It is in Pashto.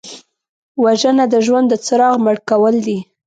وژنه د ژوند د څراغ مړ کول دي